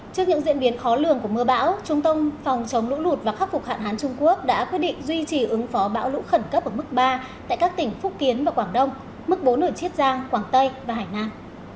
trước những diễn biến khó lường của mưa bão trung tông phòng chống lũ lụt và khắc phục hạn hán trung quốc đã quyết định duy trì ứng phó bão lũ khẩn cấp ở mức ba tại các tỉnh phúc kiến và quảng đông mức bốn ở chiết giang quảng tây và hải nam